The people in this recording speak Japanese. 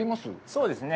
そうですね。